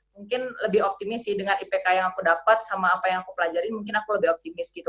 mungkin lebih optimis sih dengan ipk yang aku dapat sama apa yang aku pelajarin mungkin aku lebih optimis gitu